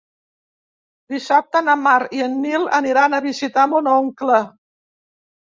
Dissabte na Mar i en Nil aniran a visitar mon oncle.